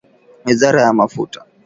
Wizara ya Mafuta.